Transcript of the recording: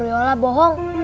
ibu guru yaudah bohong